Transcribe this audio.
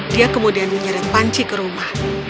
dia kemudian menyeret panci ke rumah